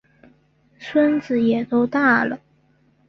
孙子也都大了